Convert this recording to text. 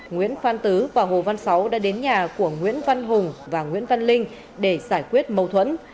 nguyễn phan tứ và hồ văn sáu đã đến nhà của nguyễn văn hùng và nguyễn văn linh để giải quyết mâu thuẫn